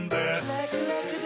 ラクラクだ！